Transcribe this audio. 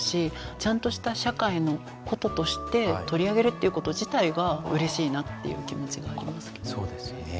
ちゃんとした社会のこととして取り上げるっていうこと自体がうれしいなっていう気持ちがあります。